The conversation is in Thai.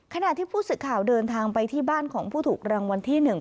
ขนาดที่ผู้ศึกข่าวเดินทางไปที่บ้านของผู้ถูกรางวัลที่หนึ่ง